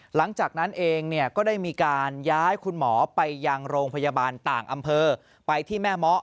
หลังจากนั้นเองก็ได้มีการย้ายคุณหมอไปยังโรงพยาบาลต่างอำเภอไปที่แม่เมาะ